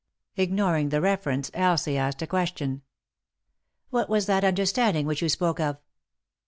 Ignoring the reference, Elsie asked a question. "What was that understanding which you spoke of?"